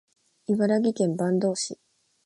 茨城県坂東市